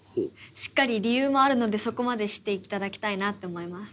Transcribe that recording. しっかり理由もあるのでそこまで知っていただきたいなって思います。